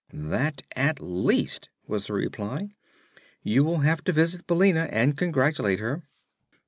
"That, at least," was the reply. "You will have to visit Billina and congratulate her."